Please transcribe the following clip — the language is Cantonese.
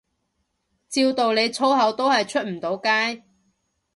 照道理粗口都係出唔到街